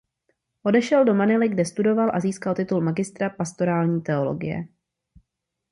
Odešel do Manily kde studoval a získal titul magistra pastorální teologie.